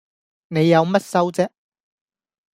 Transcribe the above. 你有乜收啫